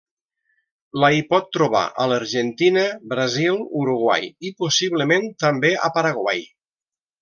La hi pot trobar a l'Argentina, Brasil, Uruguai, i possiblement també a Paraguai.